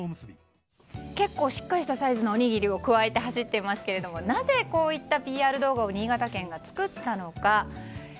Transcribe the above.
結構しっかりとしたサイズのおにぎりをくわえて走ってますがなぜこういったＰＲ動画を新潟県が作ったのか。